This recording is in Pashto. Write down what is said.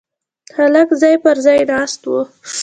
هلک ځای پر ځای ناست و.